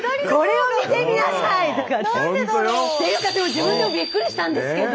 自分でもびっくりしたんですけど。